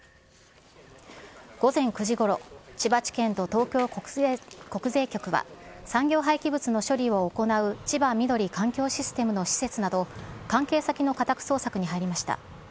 午前９時ごろ、千葉地検と東京国税局は、産業廃棄物の処理を行う千葉緑環境システムの施設など、関係先の家宅捜索に入りました。